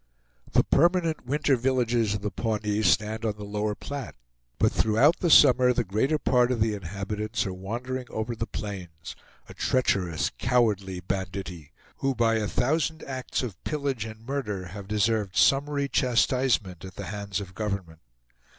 The permanent winter villages of the Pawnees stand on the lower Platte, but throughout the summer the greater part of the inhabitants are wandering over the plains, a treacherous cowardly banditti, who by a thousand acts of pillage and murder have deserved summary chastisement at the hands of government.